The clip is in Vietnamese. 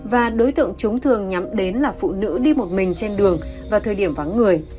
và đối tượng chúng thường nhắm đến là phụ nữ đi một mình trên đường vào thời điểm vắng người